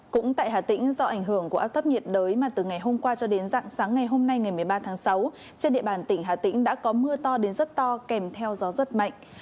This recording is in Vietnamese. cũng tại hà tĩnh do ảnh hưởng của áp thấp nhiệt đới mà từ ngày hôm qua cho đến dạng sáng ngày hôm nay ngày một mươi ba tháng sáu trên địa bàn tỉnh hà tĩnh đã có mưa to đến rất to kèm theo gió rất mạnh